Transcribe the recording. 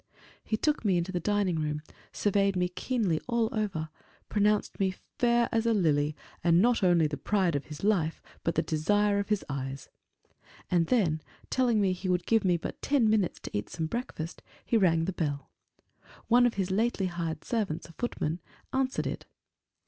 He took me into the dining room, surveyed me keenly all over, pronounced me "fair as a lily, and not only the pride of his life, but the desire of his eyes"; and then, telling me he would give me but ten minutes to eat some breakfast, he rang the bell. One of his lately hired servants, a footman, answered it.